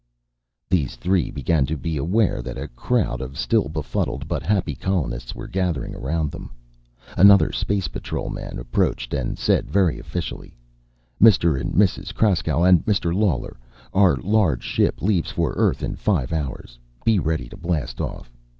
These three began to be aware that a crowd of still befuddled but happy colonists were gathering around them. Another Space Patrol man approached, and said very officially: "Mr. and Mrs. Kraskow, and Mr. Lawler: Our large ship leaves for Earth in five hours. Be ready to blast off.